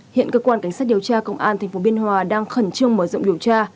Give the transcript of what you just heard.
hiện cơ quan cảnh sát điều tra công an tp biên hòa đang khẩn trương mở rộng điều tra